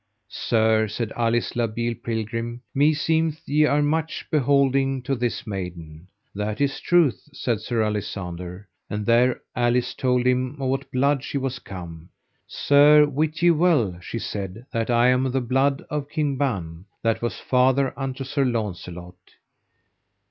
Sir, said Alice la Beale Pilgrim, meseemeth ye are much beholding to this maiden. That is truth, said Sir Alisander. And there Alice told him of what blood she was come. Sir, wit ye well, she said, that I am of the blood of King Ban, that was father unto Sir Launcelot.